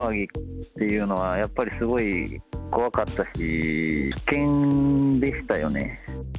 ぼや騒ぎっていうのは、やっぱりすごい怖かったし、危険でしたよね。